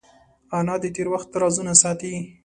انا د تېر وخت رازونه ساتي